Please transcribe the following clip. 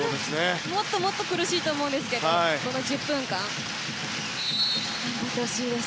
もっともっと苦しいと思いますがこの１０分間頑張ってほしいです。